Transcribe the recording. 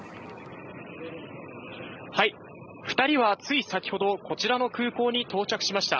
２人はつい先程、こちらの空港に到着しました。